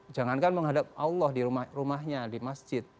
jangankan menghadap allah di rumahnya di masjid